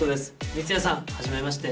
三津谷さんはじめまして。